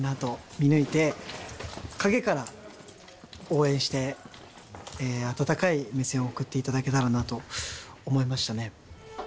見抜いて陰から応援して温かい目線を送っていただけたらなと思いましたね。